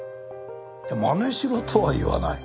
まねしろとは言わない。